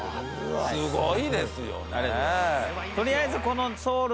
すごいですよね。